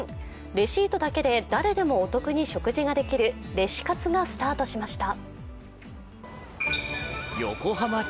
レシートだけで誰でもお得に食事ができるレシ活がスタートしました。